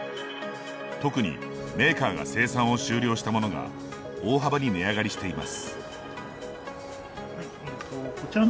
特に、メーカーが生産を終了したものが大幅に値上がりしています。